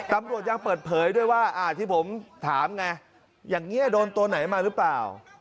ตำรวจยังเปิดเผยด้วยว่าที่ผมถามไงอย่างนี้โดนตัวไหนมาหรือเปล่า